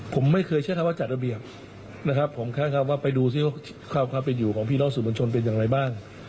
ก็คิดว่าความเป็นอยู่ของพี่น้องสื่อมวลชนเป็นอย่างไรบ้าง